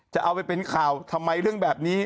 จะเอาไปเป็นข่าวทำไมเรื่องแบบนี้